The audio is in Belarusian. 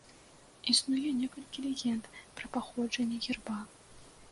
Існуе некалькі легенд пра паходжанне герба.